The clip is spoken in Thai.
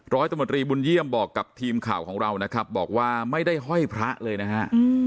ร้อยตำรวจรีบุญเยี่ยมบอกกับทีมข่าวของเรานะครับบอกว่าไม่ได้ห้อยพระเลยนะฮะ